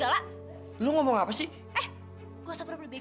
aku punggungin pangeran dulu ya